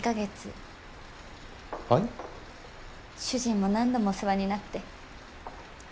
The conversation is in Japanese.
主人も何度もお世話になって。